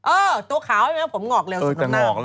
เออตัวขาวไม่เป็นไรผมงอกเร็วสุดข้างหน้า